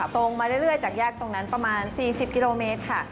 ตรงมาเรื่อยจากแยกตรงนั้นประมาณ๔๐กิโลเมตรค่ะ